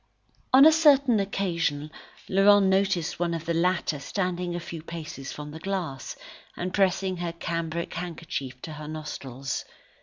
On a certain occasion Laurent noticed one of the latter standing at a few paces from the glass, and pressing her cambric handkerchief to her nostrils.